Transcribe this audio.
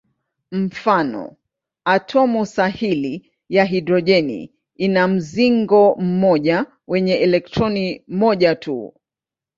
Mfano: atomu sahili ya hidrojeni ina mzingo mmoja wenye elektroni moja tu.